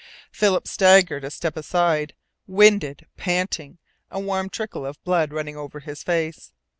Philip staggered a step aside, winded, panting, a warm trickle of blood running over his face.